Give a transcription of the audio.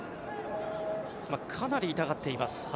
かなり痛がっています